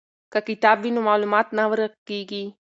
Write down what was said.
که کتاب وي نو معلومات نه ورک کیږي.